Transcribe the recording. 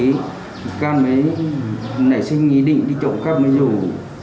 vị can mới nảy sinh ý định đi trộm cắp mấy rủ